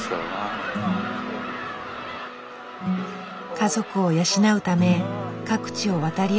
家族を養うため各地を渡り歩く生活。